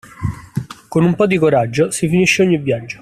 Con un pò di coraggio si finisce ogni viaggio.